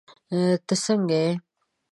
تہ سنګه یی